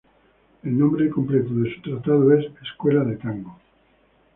El nombre completo de su "Tratado" es "Escuela de tango.